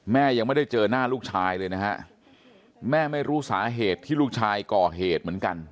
ยังไม่ได้เจอหน้าลูกชายเลยนะฮะแม่ไม่รู้สาเหตุที่ลูกชายก่อเหตุเหมือนกัน